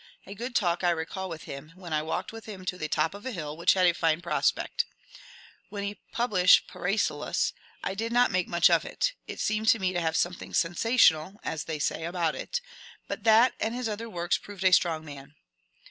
A good talk I recall with him, when I walked with him to the top of a hill, which had a fine prospect. When he published ^^ Paracelsus " I did not make much out of it : it seemed to me to have something *^ sensa tional " as they say about it ; but that and his other works proved a strong man.